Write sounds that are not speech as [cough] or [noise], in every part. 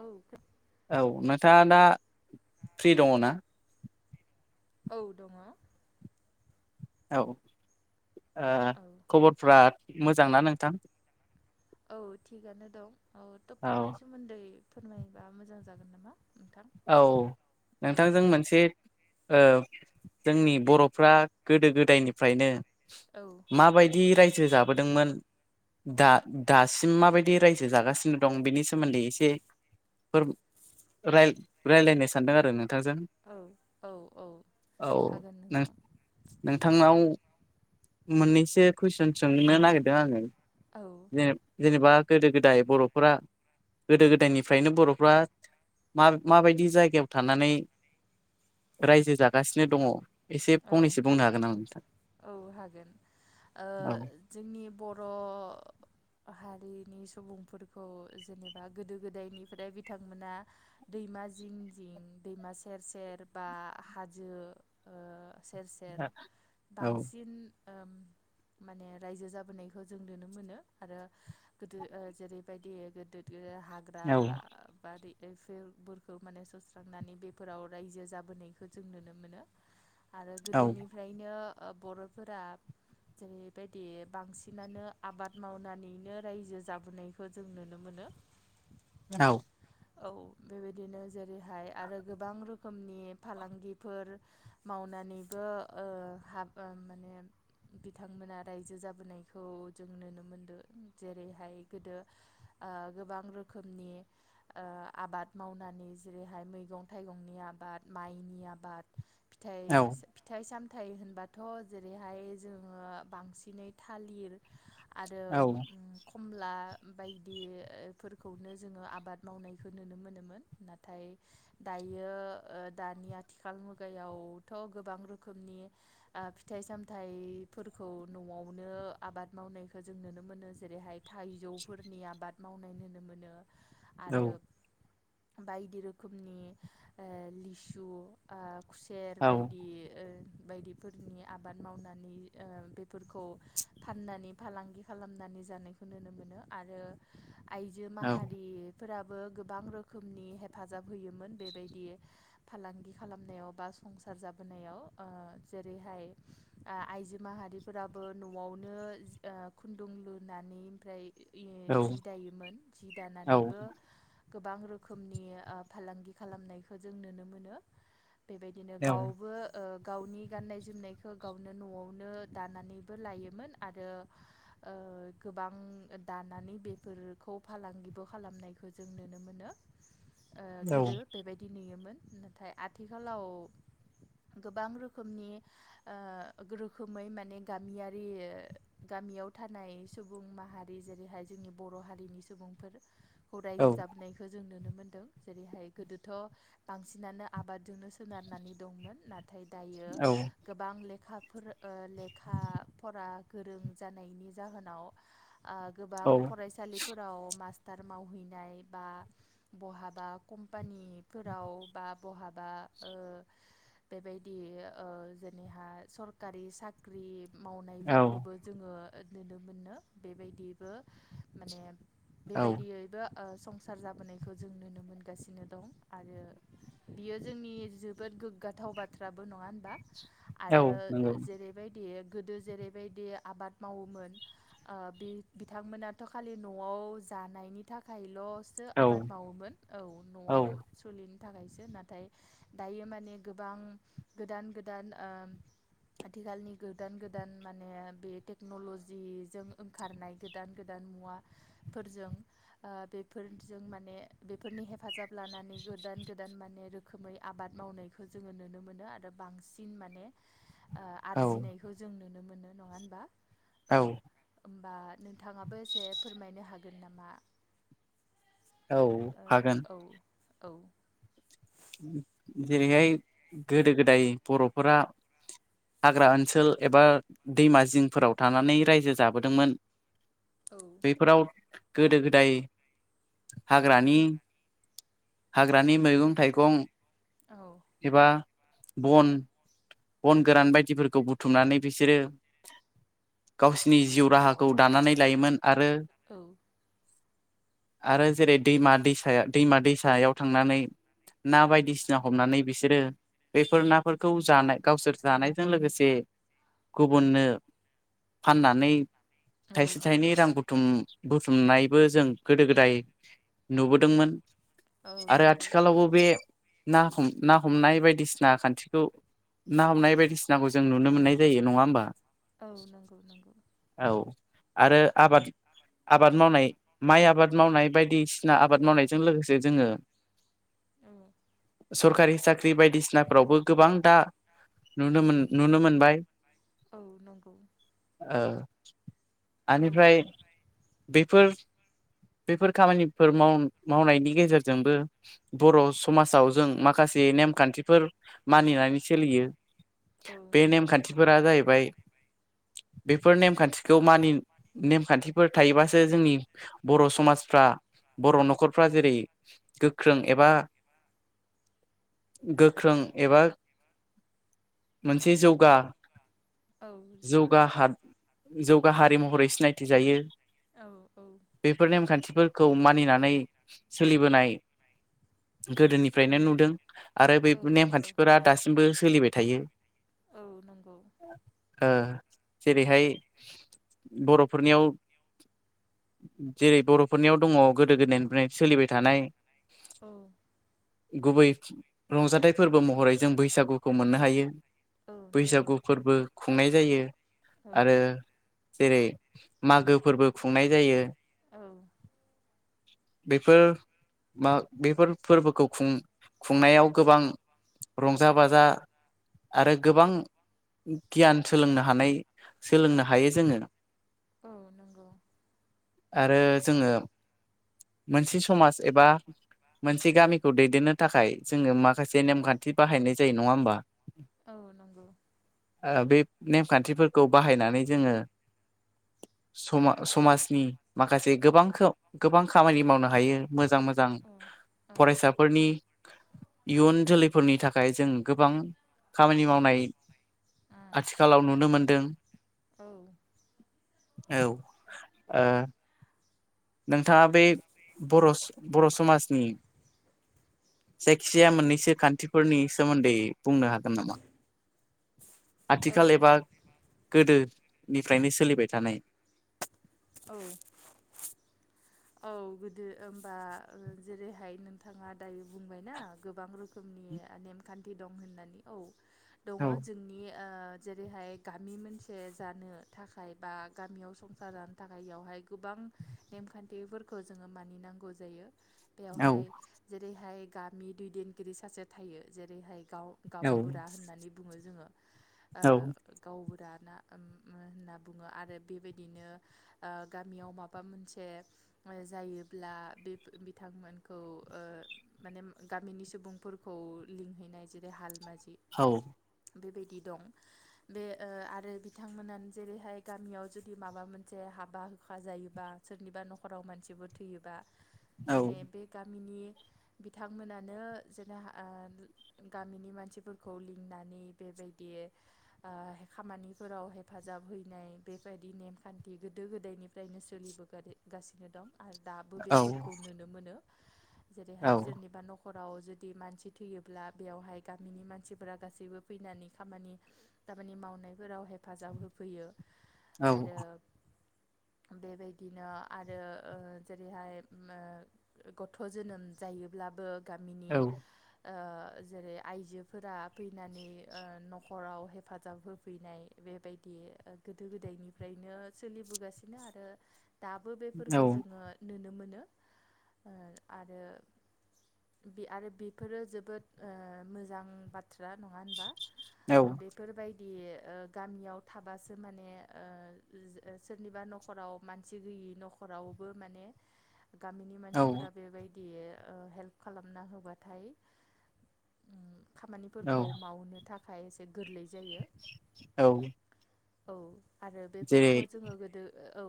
औ औ नोंथाङा दा फ्रि दङ ना? औ दङ औ ओ औ खबरफ्रा मोजांना नोंथां? औ थिगानो दं औ टपिकनि सोमोन्दै फोरमायबा मोजां जान गोन नामा नोंथां औ औ नोंथांजों मोनसे ओ जोंनि बर'फ्रा गोदो गोदायनिफ्रायनो औ माबायदि रायजो जाबोदोंमोन दा दासिम माबायदि रायजो जागासिनो दं बेनि सोमोन्दै एसे फोरबो राय राय्लायनो सानदों आरो नों थांजो औ औ औ औ हागोन नों नोंथां नोंथांनाव मोननैसो कुइसन सोंनो नागिरदों आङो औ जेने जेनेबा गोदो गोदाय बर'फोरा गोदो गोदायनिफ्रायनो बर'फ्रा मा माबायदि जायगायाव थानानै रायजो जागासिनो दङ एसे औ फंनैसो बुंनो हागोन नामा नोंथां? औ हागोन ओ औ जोंनि बर' हारि उन्दैनि सुबुंफोरखौ जेनेबा गोदो गोदायनिफ्राय बिथांमोना दैमा जिं जिं दैमा सेर सेर बा हाजो ओ सेर सेर औ बांसिन ओम माने रायजो जाबोनायखौ जों नुनो मोनो आरो गोदो जेरैबायदि गोदो गोदोआ हाग्रा औ बारि जेफोरफोरखौ माने सुस्रांनानै बेफोराव रायजो जाबोनायखौ जों नुनो मोनो। आरो औ गोदोनिफ्रायनो ओ बर'फोरा जेरैबायदि बांसिनानो आबाद मावनानैनो रायजो जाबोनायखौ जों नुनो मोनो। मोनो औ औ बेबायदिनो जेरैहाय आरो गोबां रोखोमनि फालांगिफोर मावनानैबो ओ हाबो माने बिथांमोना रायजो जाबोनायखौ जों नुनो मोनदों जेरैहाय गोदो ओ गोबां रोखोमनि ओ आबाद मावनानै जेरैहाय मैगं थाइगंनि आबाद आबाद माइनि आबाद औ फिथाय फिथाइ साम फिथाइ होनबाथ' जेरैहाय जोङो बांसिनै थालिर आरो औ खमला बायदिफोरखौनो जोङो आबाद मावनायखौ नुनो मोनोमोन नाथाय दायो दायो ओ दानि आथिखाल मुगा यावथ' गोबां रोखोमनि आ फिथाइ सामथाइफोरखौ न'आवनो आबाद मावनायखौ जों नुनो मोनो जेरैहाय थाइजौफोरनि आबाद मावनाय नुनो मोनो औ आरो। बायदि रोखोमनि ओ लिसु ओ खुसेर बायदि ओ बायदिफोरनि आबाद मावनानै ओ बेफोरखौ फाननानै फालांगि खालामनानै जानायखौ नुनो मोनो आरो आइजो औ माहारि। फोराबो गोबां रोखोमनि हेफाजाब होयोमोन बेबायदि फालांगि खालामनायाव बा संसार जाबोनायाव ओ जेरैहाय आइजो माहारिफोराबो न'आव नो ओ खुन्दुं लुनानै ओमफ्राय औ जि दायोमोन जि दानानैबो गोबां रोखोमनि ओ फालांगि खालामनायखौ जों नुनो मोनो बेबायदिनो गावबो ओ गावनि गाननाय जोमनायखौ गावनो न'आवनो दानानैबो लायोमोन आरो ओ गोबां दानानै बेफोरखौ फालांगिबो खालामनायखौ जों नुनो मोनो। ओ गोदो बेबायदि नुयोमोन नाथाय आथिखालाव गोबां रोखोमनि रोखोमै माने गामियारि गाब गामियाव थानाय सुबुं माहारि जेरैहाय जोंनि बर' हारिनि सुबुंफोर खौ औ रायजोजाबनायखौ जों नुनो मोन्दों जेरैहाय गोदोथ' बांसिनानो आबाद जोंनो सोनारनानै दंमोन नाथाय दायो गोबां लेखा ओ लेखा फरा गोरों जानायनि जाहोनाव ओ गोबां फरायसालिफोराव मास्टार थार मावहैनाय बा बहाबा कम्फानिफोराव बा बहा बा बेबायदि जेनेबा सोरखारि साख्रि औ मावनायफोरखौबो जोङो नुनो मोनो बेबायदिबो माने औ बेबायदियैबो ओ संसार जाबोनायखौ जों नुनो मोनगासिनो दं आरो बियो जोंनि जोबोद गोग्गाथाव बाथ्राबो नङा होनबा? औ आरो नंगौ जेरैबायदि गोदो जेरैबायदि आबाद मावोमोन ओ बि बिथांमोनाथ' खालि न'आव जानायनि थाखायल'सो औ आबाद मावोमोन औ औ न'आव सोलिनो थाखायसो ना नाथाय दायो माने गोबां गोदान गोदान ओ आथिखालनि गोदान गोदान माने बे टेक्न'लजिजों ओंखारनाय गोदान गोदान मुवा फोरजों ओ बेफोरजों माने बेफोरनि हे हेफाजाब लानानै गोदान गोदान माने रोखोमै आबाद मावनायखौ जोङो नुनो मोनो आरो बांसिन माने ओ औ आरजिनायखौ जों नुनो मोनो नङा होनबा औ। होमबा नोंथाङाबो एसे फोरमायनो हागोन नामा? औ हागोन। ओ औ। जेरैहाय गोदो गोदाय बर'फोरा हाग्रा ओनसोल एबा दैमा जिंफोराव थानानै रायजो जाबोदोंमोन। बेफोराव गोदो गोदाय हाग्रानि हाग्रानि मैगं थाइ गं औ एबा बन बन गोरान बायदिफोरखौ बुथुमनानै बिसोरो गावसिनि जिउ राहाखौ दानानै लायोमोन आरो आरो जेरै दैमा दैसायाव दैमा दैसायाव थांनानै ना बायदिसिना हमनानै बिसोरो बेफोर नाफोरखौ जानाय गावसोर जानायजों लोगोसे गुबुननो फाननानै औ थाइसे थाइनै रां बुथुम बुथुमनायबो जों गोदो गोदाय नुबोदोंमोन। औ आरो नंगौ। आथिखालावबो बे ना हमना हमनाय बायदिसिना खान्थिखौ ना हमनाय बायदिसिनाखौ जों नुनो मोननाय जायो नङा होमबा? औ नंगौ नंगौ। औ आरो आबाद आबाद मावनाय माइ आबाद मावनाय बायदिसिना आबाद मावनायजों लोगोसे जोङो औ। सोरखारि साख्रि बायदिसिनाफोरावबो गोबां दा नुनो मोन नुनो मोनबाय। औ नंगौ। ओ औ बेनिफ्राय बेफोर बेफोर खामानिफोर माव मावनायनि गेजेरजोंबो बर' समाजाव जों माखासे नेमखान्थिफोर मानिनानै सोलियो। औ बे नंगौ नेमखान्थिफोरा जाहैबाय [inaudible] बेफोर नेमखान्थिखौ मानि नेमखान्थिफोर थायोबासो जोंनि बर' समाजफ्रा बर' न'खरफ्रा जेरै गोख्रों एबा गोख्रों एबा औ जौगा हा जौगा हारि महरै सिनायथि जायो। औ औ बेफोर नेमखान्थिफोरखौ मानिनानै सोलिबोनाय औ गोदोनिफ्रायनो नुदों आरो बे औ नंगौ नेमखान्थिफोरा दासिमबो सोलिबाय थायो। औ नंगौ ओ। जेरैहाय बर'फोरनियाव जेरै बर'फोरनियाव दङ गोदो गोदायनिफ्राय सोलिबाय थानाय औ गुबै रंजाथाइ फोरबो महरै जों बैसागुखौ मोननो हायो। औ नंगौ बैसागु फोरबो खुंनाय जायो औ आरो जेरै मागो फोरबो खुंनाय जायो। औ बेफोर मा बेफोर फोरबोखौ खुं -खुंनायाव गोबां रंजा बाजा आरो गोबां गियान सोलोंनो हानाय सोलोंनो हायो जोङो। औ नंगौ आरो जोङो मोनसे समाज एबा मोनसे गामिखौ दैदेननो थाखाय जोङो माखासे नेमखान्थि बाहायनाय जायो नङा होमबा औ नंगौ आ बे नेमखान्थिफोरखौ बाहायनानै जोङो समा- समाजनि माखासे गोबां खा गोबां खामानि मावनो हायो मोजां मोजां औ फरायसाफोरनि इयुन जोलैफोरनि थाखाय जों गोबां खामानि मावनाय आथिखालाव नुनो मोनदों औ औ ओ नोंथाङा बे बर'स बर' समाजनि जायखिजाया मोननैसो खान्थिफोरनि सोमोन्दै बुंनो हागोन नामा? औ आथिखाल एबा गोदो निफ्रायनो सोलिबाय थानाय औ औ गोदो होमबा जेरैहाय नोंथाङा दायो बुंबायना गोबां रोखोमनि नेखान्थि दं होननानै औ दङ औ जोंनि ओ जेरैहाय गामि मोनसे जानो थाखाय बा गामियाव संसार जानो थाखाययावहाय गोबां नेमखान्थिफोरखौ जोङो मानिनांगौ जायो औ बेवहाय जेरैहाय गामि दैदेनगिरि सासे थायो जेरैहाय गाव औ गामबुरा होननानै बुङो जोङो ओ गावबुरा ना ओम उ होनना बुङो आरो बेबायदिनो ओ गामियाव माबा मोनसे जायोब्ला बे बिथांमोनखौ ओ मानि गामिनि सुबुंफोरखौ लिंहैनाय जेरै हालमाजि औ बेबायदि दं बे ओ आरो बिथांमोनानो जेरैहाय गामियाव जुदि माबा मोन जे हाबा होखा जायोबा सोरनिबा न'खराव मानसिबो थैयोबा औ माने बे गामिनि बिथांमोनानो जेनो हा गामिनि मानसिफोरखौ लिंनानै बेबायदि ओ खामानिफोराव हेफाजाब हैनाय बेबायदि नेमखान दि गोदो गोदायनिफ्रायनो सोलिबोगासिनो दं आरो दाबो औ बेफोरखौ नोनो मोनो औ जेरैहाय सोरनिबा न'ख खराव जुदि मानसि थैयोब्ला बेयावहाय गामिनि मानसिफोरा गासैबो फैनानै खामानि तामानि मावनायफोराव हेफाजाब होफैयो औ आरो बेबायदिनो आरो ओ जेरैहाय उम ओ गथ' जोनोम जायोब्लाबो गामिनि औ ओ जेरै आइजोफोरा फैनानै ओ न'खराव हेफाजाब होफैनाय बेबायदि बे गोदो गोदायनिफ्रायनो सोलिबोगासिनो आरो दाबो बेफोरखो जोङो नुनो मोनो। ओ आरो [inaudible] [unintelligible] नङा होनबा औ बेफोरबायद बि ओ गामियाव थाबासो माने ओ ओ सोरनिबा न'खराव मानसि गैयि न'खरावबो माने गामिनि मानसिफोरा बेबायद दि ओ हेल्प खालामना होबाथाय ओ खामानिफोरखौ औ मावनो थाखाय एसे गोरलै जायो। औ औ आरो जेरै बेफोरखौ जोङो गोदो औ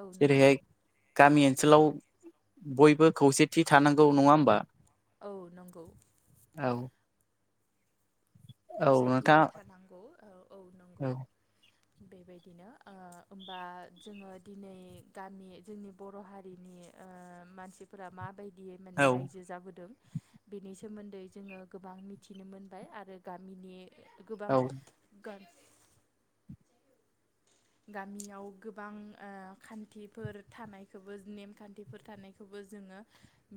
औ नोंथां जेरैहाय गामि औ ओनसोलाव बयबो खौसेथि थानांगौ नङा होमबा? औ नंगौ औ [inaudible] औ नोंथां औ बेबायदिनो आ ओमबा जोङो दिनै गामि जोंनि बर' हारिनि ओ मानसिफोरा मा बायद दि माने औ रायजो जाबोदों बेनि सोमोन्दै जोङो गोबां मिथिनो मोनबाय आरो गामिनि गोबां गान्स गामियाव गोबां आ खान्थिफोर थानायखोबो नेमखान्थिफोर थानायखोबो जोङो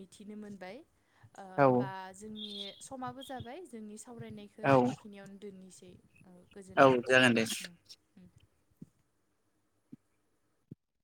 मिथिनो मोनबाय आ औ ओमबा जोंनि समाबो जाबाय जोंनि औ सावरायनायखो इखिनियावनो दोननोसै औ जागोन दे [inaudible]